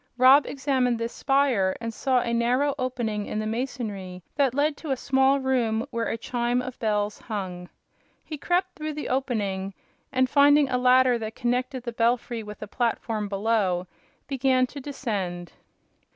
Rob examined this spire and saw a narrow opening in the masonry that led to a small room where a chime of bells hung. He crept through the opening and, finding a ladder that connected the belfry with a platform below, began to descend.